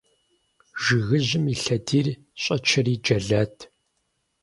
Жыгыжьым и лъэдийр щӀэчэри джэлат.